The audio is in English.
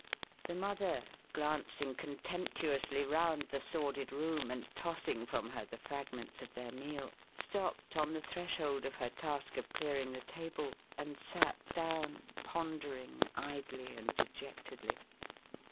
The mother, glancing con temptuously round the sordid room, and tossing from her the fragments of their meal, stopped on the threshold of her task of clearing the table, and sat down, pondering idly and dejectedly.